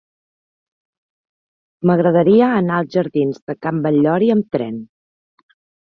M'agradaria anar als jardins de Can Batllori amb tren.